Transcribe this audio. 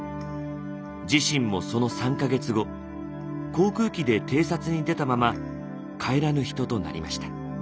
自身もその３か月後航空機で偵察に出たまま帰らぬ人となりました。